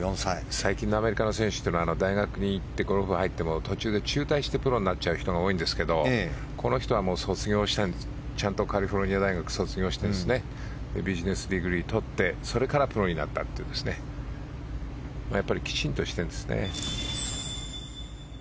最近のアメリカの選手というのは大学に行ってゴルフ部に入っても途中で中退してプロになっちゃう人が多いんですけどこの人はちゃんとカリフォルニア大学を卒業してそれからプロになったというやっぱりきちんとしているんですね。